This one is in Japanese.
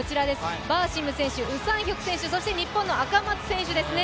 バーシム選手、ウ・サンヒョク選手そして日本の赤松選手ですね。